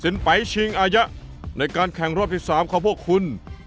สินใบชิงอายะในการแข่งรอบที่สามของพวกคุณ